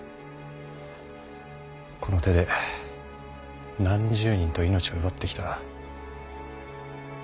この手で何十人と命を奪ってきた。